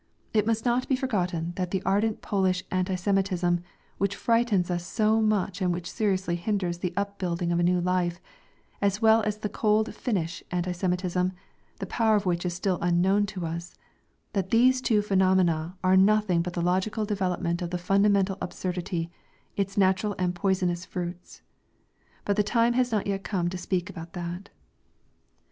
It must not be forgotten that the ardent Polish anti Semitism, which frightens us so much and which seriously hinders the upbuilding of a new life, as well as the cold Finnish anti Semitism, the power of which is still unknown to us, that these two phenomena are nothing but the logical development of the fundamental absurdity, its natural and poisonous fruits. But the time has not come yet to speak about that.